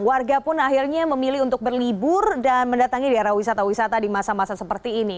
warga pun akhirnya memilih untuk berlibur dan mendatangi daerah wisata wisata di masa masa seperti ini